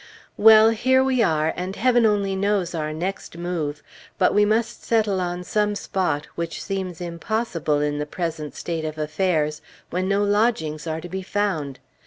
Well! here we are, and Heaven only knows our next move. But we must settle on some spot, which seems impossible in the present state of affairs, when no lodgings are to be found.